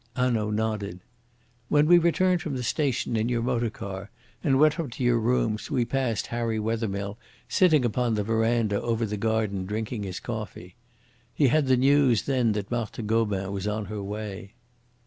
Hanaud nodded. "When we returned from the station in your motor car and went up to your rooms we passed Harry Wethermill sitting upon the verandah over the garden drinking his coffee. He had the news then that Marthe Gobin was on her way."